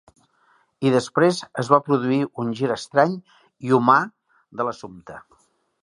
I després es va produir un gir estrany i humà de l'assumpte.